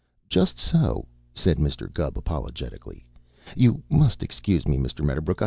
"Just so," said Mr. Gubb apologetically. "You must excuse me, Mr. Medderbrook.